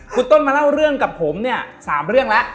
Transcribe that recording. คุณต้นมาเล่าเรื่องกับผมเนี่ย๓เรื่องแล้ว